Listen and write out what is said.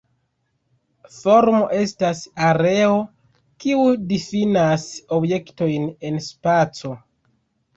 Formo estas areo, kiu difinas objektojn en spaco.